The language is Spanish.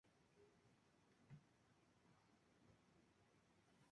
Rápidamente, su canal comenzó a ganar notoriedad en los medios.